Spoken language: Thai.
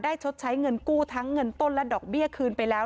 ชดใช้เงินกู้ทั้งเงินต้นและดอกเบี้ยคืนไปแล้ว